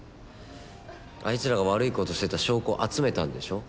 あいつらが悪い事をしてた証拠を集めたんでしょ？